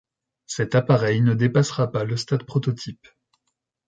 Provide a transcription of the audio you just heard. Cet appareil ne dépassera pas le stade prototype.